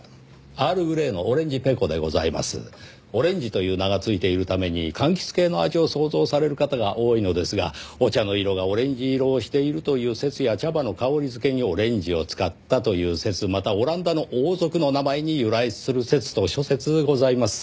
「オレンジ」という名がついているために柑橘系の味を想像される方が多いのですがお茶の色がオレンジ色をしているという説や茶葉の香りづけにオレンジを使ったという説またオランダの王族の名前に由来する説と諸説ございます。